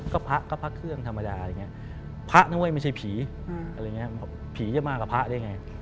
ก็ภะก็ภะเครื่องธรรมดาภะถ้าไม่ใช่ผีผีจะมากับภะได้ไง